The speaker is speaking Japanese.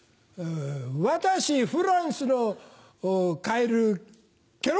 私フランスのカエルケロ。